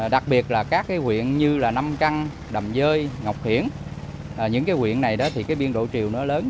đặc biệt là các huyện như nam căn đầm dơi ngọc hiển những huyện này biên độ triều lớn